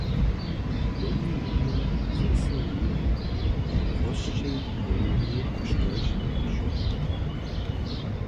Jedni měnja, zo so jim prosće njelubi, štož pišu.